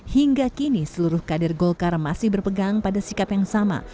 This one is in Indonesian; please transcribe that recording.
hingga kini seluruh kader golkar masih berpegang pada sikap yang sama